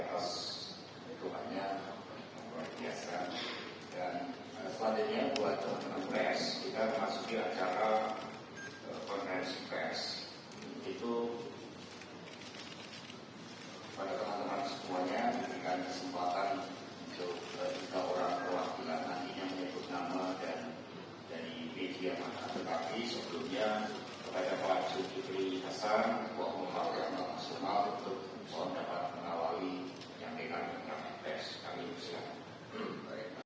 tapi sebelumnya kepada pak suji prih kesan wahyu hahyu yang memaksimalkan untuk menawari penyampaian tentang pers kami bersama